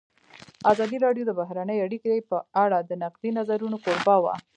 ازادي راډیو د بهرنۍ اړیکې په اړه د نقدي نظرونو کوربه وه.